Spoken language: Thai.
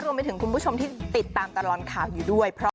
รวมไปถึงคุณผู้ชมที่ติดตามตลอดข่าวอยู่ด้วย